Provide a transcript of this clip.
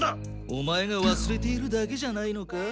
オマエがわすれているだけじゃないのか？